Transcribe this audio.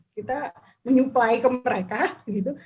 kita menyuplai ke mereka gitu